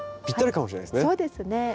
ぴったりかもしれないですね。